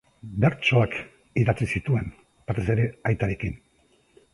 Bertsoak idatzi zituen, batez ere aitarekin.